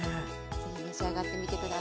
ぜひ召し上がってみて下さい。